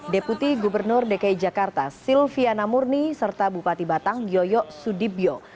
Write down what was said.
deputi gubernur dki jakarta silviana murni serta bupati batang yoyo sudibyo